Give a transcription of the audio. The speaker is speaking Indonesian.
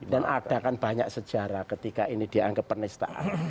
dan ada kan banyak sejarah ketika ini dianggap penistaan